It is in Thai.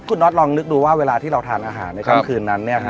คุณน็อตลองนึกดูว่าเวลาที่เราทานอาหารในค่ำคืนนั้น